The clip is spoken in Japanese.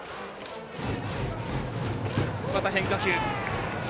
また変化球。